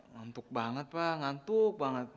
ngantuk banget pak ngantuk banget